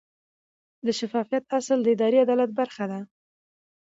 د شفافیت اصل د اداري عدالت برخه ده.